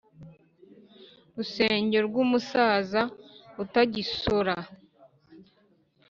rusengo rw’umusaza utagisora